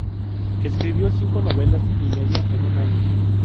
Escribió cinco novelas y media en un año.